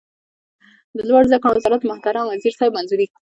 د لوړو زده کړو وزارت د محترم وزیر صاحب منظوري